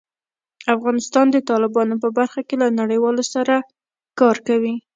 افغانستان د تالابونو په برخه کې له نړیوالو سره کار کوي.